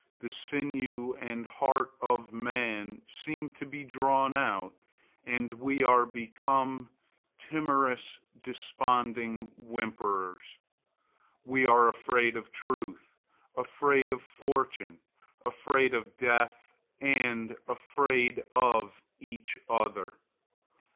The sinew and heart of man seem to be drawn out, and we are become timorous, desponding whimperers. We are afraid of truth, afraid of fortune, afraid of death and afraid of each other.